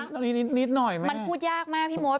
นี้นิดหน่อยมันพูดยากมากพี่โม๊ต